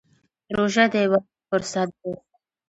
روژه د عبادت فرصت دی.